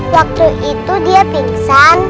waktu itu dia pingsan